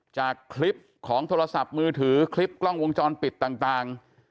จากคลิปของโทรศัพท์มือถือคลิปกล้องวงจรปิดต่าง